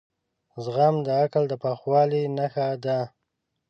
زغم د عقل د پخوالي نښه ده.